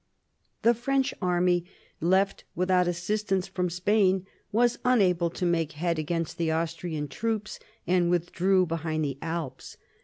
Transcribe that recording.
The French army, left without assistance from Spain, was unable to make head against the Austrian troops, and withdrew behind the Alps.